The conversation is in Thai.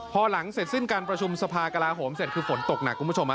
พอหลังเสร็จสิ้นการประชุมสภากลาโหมเสร็จคือฝนตกหนักคุณผู้ชม